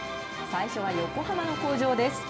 最初は横浜の工場です。